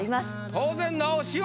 当然直しは。